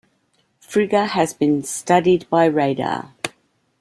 Frigga has been studied by radar.